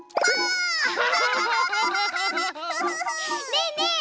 ねえねえ